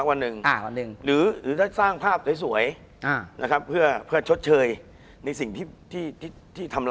คุณผู้ชมบางท่าอาจจะไม่เข้าใจที่พิเตียร์สาร